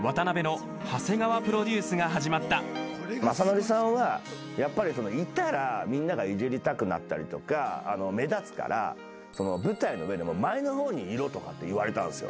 雅紀さんはやっぱりいたらみんながいじりたくなったりとか目立つから舞台の上でも前の方にいろとか言われたんすよ。